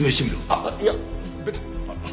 あっいや別に。